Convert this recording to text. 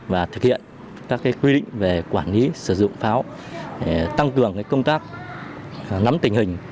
và thực hiện các quy định về quản lý sử dụng pháo tăng cường công tác nắm tình hình